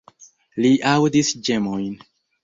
Li aŭdis ĝemojn.